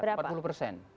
berapa empat puluh persen